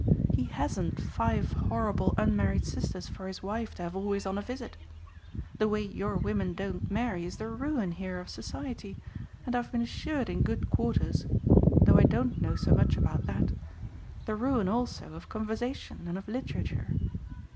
He hasn't five horrible unmarried sisters for his wife to have always on a visit. The way your women don't marry is the ruin here of society, and I've been assured in good quarters though I don't know so much about that the ruin also of conversation and of literature.